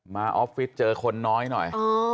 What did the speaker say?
ออฟฟิศเจอคนน้อยหน่อย